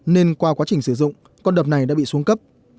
nên qua quá trình sử dụng con đập này đã bị xuống cấp